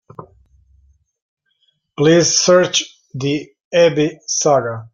Please search the Abby saga.